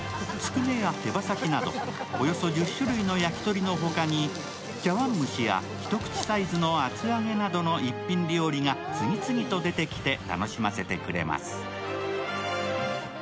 つくねや手羽先など、およそ１０種類の焼き鳥の他に茶わん蒸しや一口サイズの厚揚げなどの一品料理が次々と出てきて楽しませてくれます。